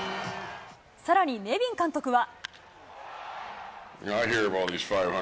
さらにネビン監督は。